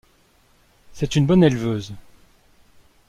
C'est une bonne éleveuse.